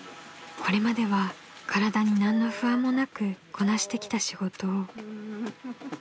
［これまでは体に何の不安もなくこなしてきた仕事を］